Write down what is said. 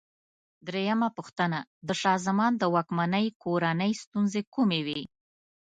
درېمه پوښتنه: د شاه زمان د واکمنۍ کورنۍ ستونزې کومې وې؟